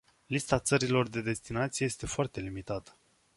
Lista țărilor de destinație este foarte limitată.